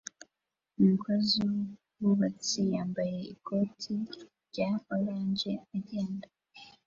Umukozi wubwubatsi yambaye ikoti rya orange agenda